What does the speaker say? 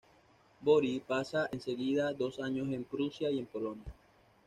Bory pasa en seguida dos años en Prusia y en Polonia.